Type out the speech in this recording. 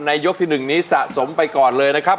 ยกที่๑นี้สะสมไปก่อนเลยนะครับ